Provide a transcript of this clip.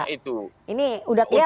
ini udah kira tadi